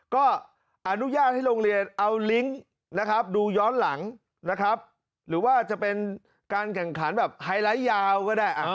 ก็อนุญาตให้โรงเรียนเอาลิงก์นะครับดูย้อนหลังนะครับหรือว่าจะเป็นการแข่งขันแบบไฮไลท์ยาวก็ได้